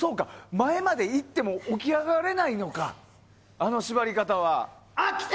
前まで行っても起き上がれないのかあの縛り方は。